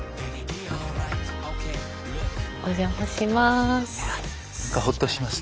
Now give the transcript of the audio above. お邪魔します。